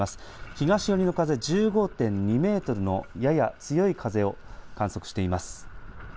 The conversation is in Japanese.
東寄りの風、１５．２メートルのやや強い風を観測しています。